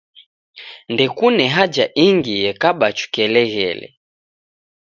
Ndekune haja ingi ekaba chukeleghele.